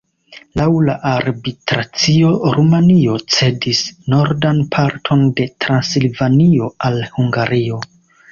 Laŭ la arbitracio Rumanio cedis nordan parton de Transilvanio al Hungario.